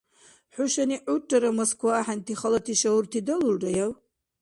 ХӀушани гӀуррара, Москва ахӀенти, халати шагьурти далулраяв?